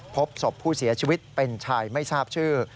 พบศพผู้เสียชีวิตเป็นชายไม่ทราบชื่อ